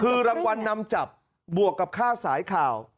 คือรางวัลนำจับบวกกับค่าสายข่าว